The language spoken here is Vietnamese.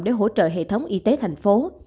để hỗ trợ hệ thống y tế thành phố